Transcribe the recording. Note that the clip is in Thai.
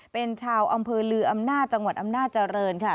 เป็นชาวอำเภอลืออำนาจจังหวัดอำนาจเจริญค่ะ